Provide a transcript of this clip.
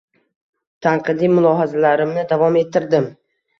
Tanqidiy mulohazalarimni davom ettirdim.